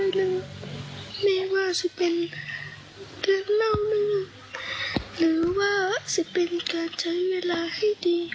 หรือว่าสิ่งเป็นการใช้เวลาให้ดี